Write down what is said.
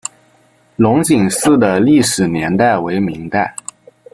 龙井寺的历史年代为明代。